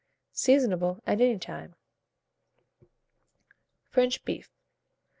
Seasonable at any time. FRENCH BEEF.